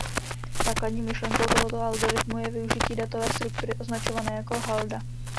Základní myšlenkou tohoto algoritmu je využití datové struktury označované jako "halda".